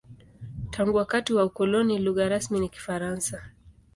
Tangu wakati wa ukoloni, lugha rasmi ni Kifaransa.